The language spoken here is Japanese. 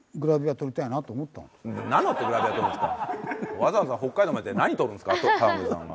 わざわざ北海道まで何撮るんですかタモリさんが。